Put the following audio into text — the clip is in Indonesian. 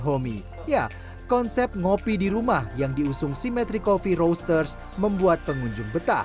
homemade ya konsep toki di rumah yang diusung symmetry coffee roasters membuat pengunjung betah